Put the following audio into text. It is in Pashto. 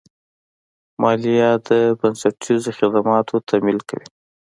مالیه د بنسټیزو خدماتو تمویل کوي.